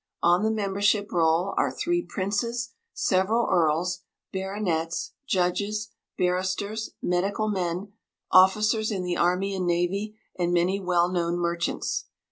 On the membership roll are three princes, several earls, baronets, judges, barristers, medical men, officers in the Army and Navy, and many well known merchants.